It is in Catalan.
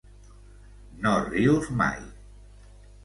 No rius mai.